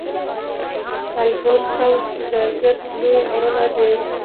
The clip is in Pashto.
البرز او زاگرس لوی غرونه دي.